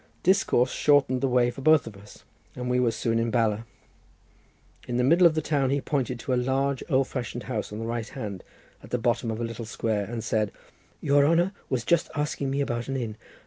Discourse shortened the way to both of us, and we were soon in Bala. In the middle of the town he pointed to a large old fashioned house on the right hand, at the bottom of a little square, and said, "Your honour was just asking me about an inn.